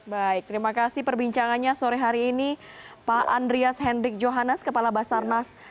baik terima kasih perbincangannya sore hari ini pak andreas hendrik johannes kepala basarnas